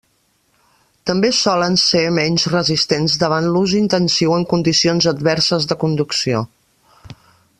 També solen ser menys resistents davant l'ús intensiu en condicions adverses de conducció.